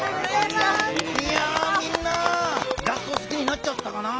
みんな合奏すきになっちゃったかな？